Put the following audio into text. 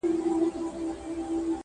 يوه ږغ كړه چي تر ټولو پهلوان يم؛